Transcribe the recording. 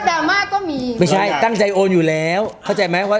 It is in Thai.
ก็แดรมมาก็มีไม่ใช่ตั้งใจโอนอยู่แล้วเข้าใจแล้วต่อ